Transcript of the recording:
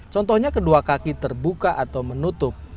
contohnya kedua kaki terbuka atau menutup